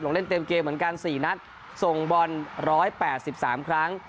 ลงเล่นเต็มเกมเหมือนกัน๔นัดส่งบอล๑๘๓ครั้ง